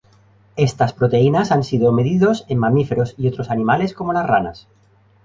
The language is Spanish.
Estas proteínas han sido medidos en mamíferos y otros animales como las ranas.